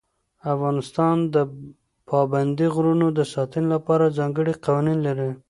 افغانستان د پابندي غرونو د ساتنې لپاره ځانګړي قوانین لري.